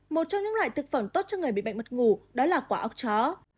một trong những loại thực phẩm tốt cho người bị bệnh mất ngủ đó là quả ốc chó